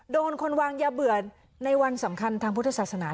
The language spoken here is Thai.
โดนคนวางยาเบื่อในวันสำคัญทางพุทธศาสนา